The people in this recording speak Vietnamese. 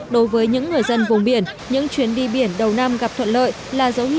đối với những người dân vùng biển những chuyến đi biển đầu năm gặp thuận lợi là dẫu nhìn